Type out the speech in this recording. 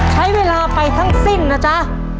ใช้เวลาไปทั้งสิ้นนะจ๊ะ